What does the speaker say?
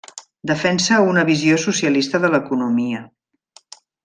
Defensa una visió socialista de l'economia.